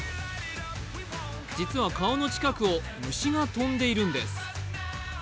実は顔の近くを虫が飛んでいるんです。